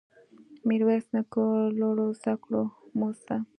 ميرويس نيکه لوړو زده کړو مؤسسه